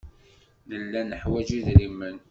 Nella neḥwaj idrimen.